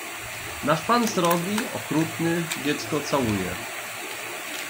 Nasz pan srogi, okrutny, dziecko całuje.